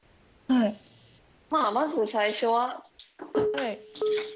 まぁまず最初は。